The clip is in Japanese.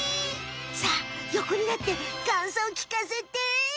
さあよこになってかんそうきかせて！